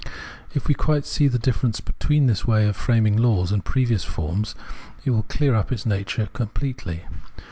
If we quite see the difference between this way of framing laws and previous forms, it will clear up its nature completely.